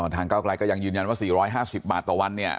ทางเก้ากรายก็ยังยืนยันว่า๔๕๐บาทต่อวัน